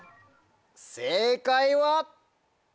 正解は。